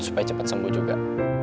supaya cepet sembuh juga